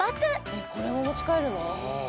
えこれも持ち帰るの？